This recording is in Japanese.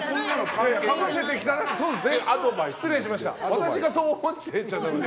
私がそう思っちゃって。